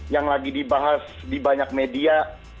yang lagi dibahas di banyak media